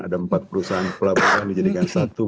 ada empat perusahaan pelabuhan dijadikan satu